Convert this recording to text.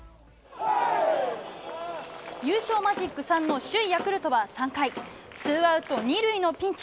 優勝マジック３の首位ヤクルトは３回ツーアウト２塁のピンチ。